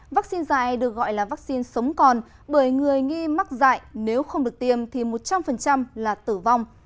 vắc xin dại được gọi là vắc xin sống còn bởi người nghi mắc dại nếu không được tiêm thì một trăm linh là tử vong